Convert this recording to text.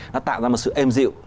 nó tạo ra một sự êm dịu